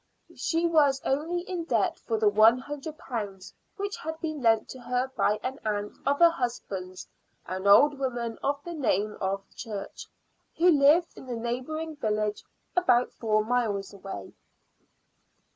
She was only in debt for the one hundred pounds, which had been lent to her by an aunt of her husband's, an old woman of the name of Church, who lived in a neighboring village about four miles away.